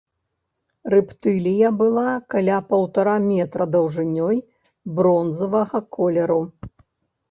Рэптылія была каля паўтара метра даўжынёй, бронзавага колеру.